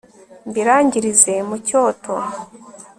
mbirangirize mu cyoto